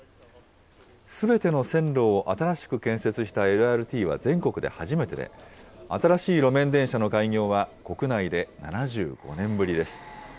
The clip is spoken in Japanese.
すべての線路を新しく建設したＬＲＴは全国で初めてで、新しい路面電車の開業は、国内で７５年ぶりです。